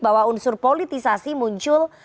bahwa unsur politisasi muncul